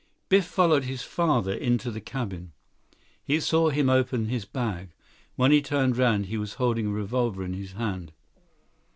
Biff followed his father into the cabin. He saw him open his bag. When he turned around, he was holding a revolver in his hand.